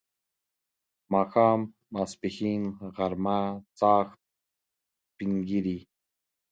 ماښام، ماپښین، غرمه، چاښت، سپین ږیری